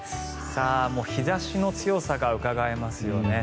もう日差しの強さがうかがえますよね。